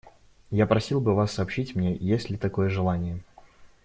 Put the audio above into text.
Я просил бы вас сообщить мне, есть ли такое желание.